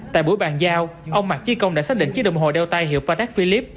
tại buổi bàn giao ông mạc trí công đã xác định chiếc đồng hồ đeo tay hiệu patek philippe